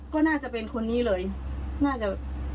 ก็น่าจะเป็นคนนี้เลยน่าจะ